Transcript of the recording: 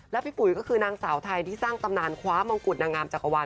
แล้วพี่ปุ๋ยก็คือนางสาวไทยที่สร้างตำนานคว้ามงกุฎนางงามจักรวาล